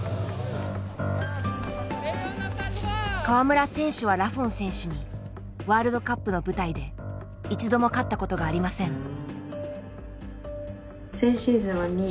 フランスの川村選手はラフォン選手にワールドカップの舞台で一度も勝ったことがありません。